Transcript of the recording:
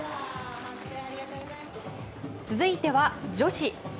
続いては女子。